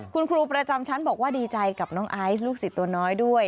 คุณครูประจำชั้นบอกว่าดีใจกับน้องไอซ์ลูกศิษย์ตัวน้อยด้วย